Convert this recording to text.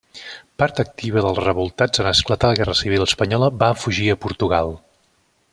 Part activa dels revoltats en esclatar la guerra civil espanyola va fugir a Portugal.